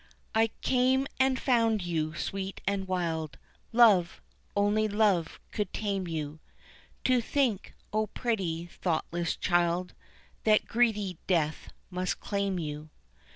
I came and found you sweet and wild, Love only love could tame you, To think, O pretty thoughtless child That greedy death must claim you.